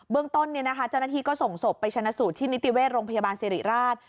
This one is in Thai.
เบื้องต้นเนี้ยนะคะเจ้าหน้าที่ก็ส่งศพไปชนะสูตรที่นิติเวศโรงพยาบาลเสรีราช